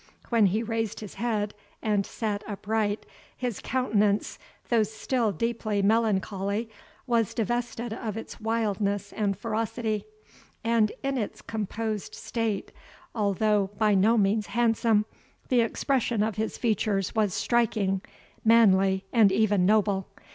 When he raised his head and sat upright, his countenance, though still deeply melancholy, was divested of its wildness and ferocity; and in its composed state, although by no means handsome, the expression of his features was striking, manly, and even noble.